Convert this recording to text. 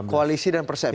koalisi dan persepsi